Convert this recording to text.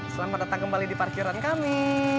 selamat datang kembali di parkiran kami